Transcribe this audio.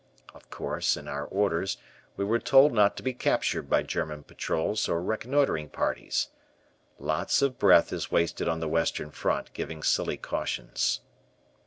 Of course, in our orders we were told not to be captured by German patrols or reconnoitering parties. Lots of breath is wasted on the Western Front giving silly cautions.